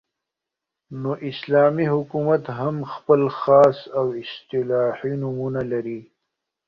، نو اسلامي حكومت هم خپل خاص او اصطلاحي نومونه لري